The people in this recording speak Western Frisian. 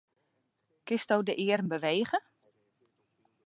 Kinsto de earm bewege?